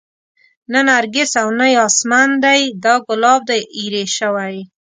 نه نرګس او نه ياسمن دى دا ګلاب دى ايرې شوى